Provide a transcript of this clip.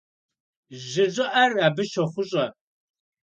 Жьы щӀыӀэр абы щохъущӀэ.